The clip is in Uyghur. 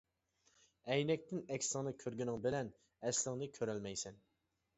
ئەينەكتىن ئەكسىڭنى كۆرگىنىڭ بىلەن، ئەسلىڭنى كۆرەلمەيسەن.